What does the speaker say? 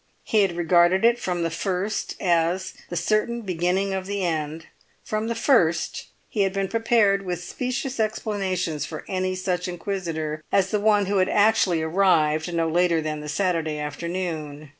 He had regarded it from the first as 'the certain beginning of the end'; from the first, he had been prepared with specious explanations for any such inquisitor as the one who had actually arrived no later than the Saturday afternoon.